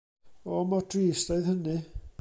O mor drist oedd hynny.